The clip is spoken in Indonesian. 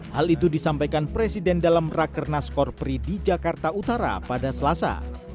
hal itu disampaikan presiden dalam raker naskor pri di jakarta utara pada selasa